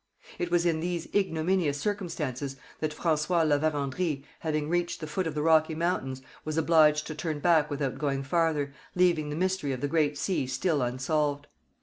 It was in these ignominious circumstances that François La Vérendrye, having reached the foot of the Rocky Mountains, was obliged to turn back without going farther, leaving the mystery of the Great Sea still unsolved.